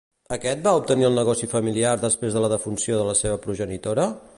Aquest va obtenir el negoci familiar després de la defunció de la seva progenitora?